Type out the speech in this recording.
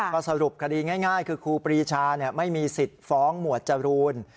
ก็สรุปคดีง่ายคือครูปรีชาไม่มีสิทธิ์ฟ้องหมวดจรูน